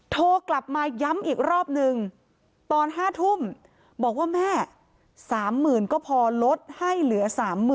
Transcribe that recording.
โทรกลับมาย้ำอีกรอบนึงตอน๕ทุ่มบอกว่าแม่๓๐๐๐ก็พอลดให้เหลือ๓๐๐๐